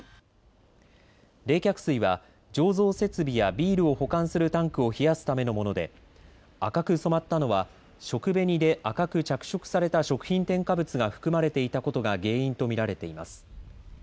冷却水は醸造設備やビールを保管するタンクを冷やすためのもので、赤く染まったのは食紅で赤く着色された食品添加物が含まれていたことが原因と見られています。